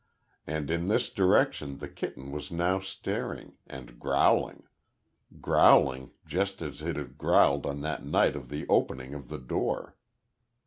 And in this direction the kitten was now staring and growling; growling just as it had growled on that night of the opening of the door.